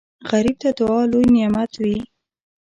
غریب ته دعا لوی نعمت وي